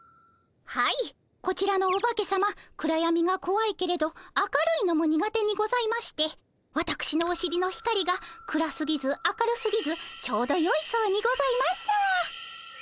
はいこちらのおばけさま暗やみがこわいけれど明るいのも苦手にございましてわたくしのおしりの光が暗すぎず明るすぎずちょうどよいそうにございます。